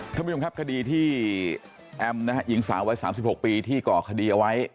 ท่านผู้ยงครับคดีที่แอมนะคะยิง๓๓๖ปีที่ก่อคดีไว้